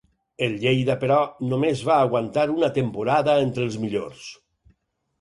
El Lleida, però, només va aguantar una temporada entre els millors.